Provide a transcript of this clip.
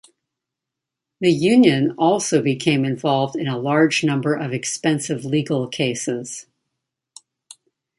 The union also became involved in a large number of expensive legal cases.